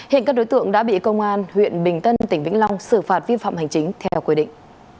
hiện các đối tượng đã bị công an huyện bình tân tỉnh vĩnh long xử phạt vi phạm hành chính theo quy định